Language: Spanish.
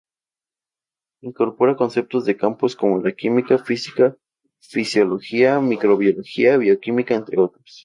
Incorpora conceptos de campos como la química, física, fisiología, microbiología, bioquímica entre otros.